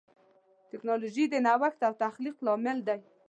ټکنالوجي د نوښت او تخلیق لامل ده.